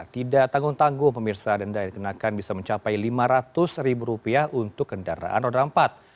tidak tanggung tanggung pemirsa denda yang dikenakan bisa mencapai lima ratus ribu rupiah untuk kendaraan roda empat